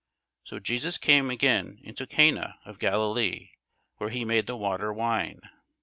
So Jesus came again into Cana of Galilee, where he made the water wine.